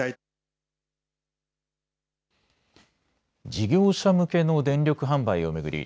事業者向けの電力販売を巡り